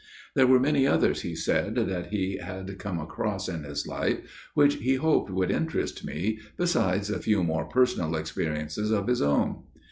There were many others, he said, that he had come across in his life which he hoped would interest me, besides a few more personal experiences of his own.